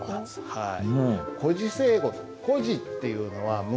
はい。